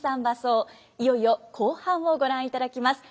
いよいよ後半をご覧いただきます。